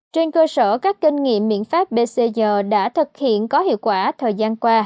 trên cơ sở các kinh nghiệm biện pháp bcg đã thực hiện có hiệu quả thời gian qua